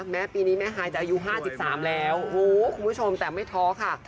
แม้ปีนี้แม่ฮายจะอายุ๕๓แล้วคุณผู้ชมแต่ไม่ท้อค่ะ